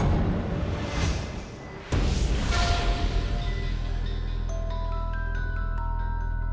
โปรดติดตามตอนต่อไป